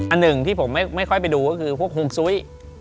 อันหนึ่งที่ผมไม่ค่อยไปดูก็คือพวกฮวงซุ้ย